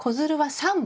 ３本。